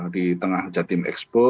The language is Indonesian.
di tengah jatim expo